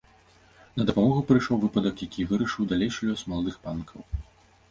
На дапамогу прыйшоў выпадак, які і вырашыў далейшы лёс маладых панкаў.